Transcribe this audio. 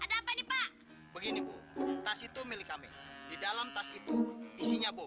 ada apa nih pak begini bu tas itu milik kami di dalam tas itu isinya bu